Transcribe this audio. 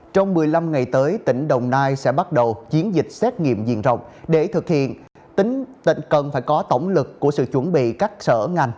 trong một mươi năm ngày tới tỉnh đồng nai sẽ bắt đầu chiến dịch xét nghiệm diện rộng để thực hiện cần phải có tổng lực của sự chuẩn bị các sở ngành